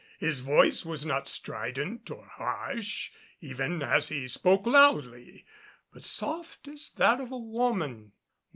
His voice was not strident or harsh, even as he spoke loudly, but soft as that of a woman.